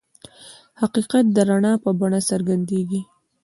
حقیقت د رڼا په بڼه څرګندېږي.